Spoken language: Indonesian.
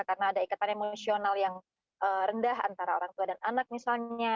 karena ada ikatan emosional yang rendah antara orang tua dan anak misalnya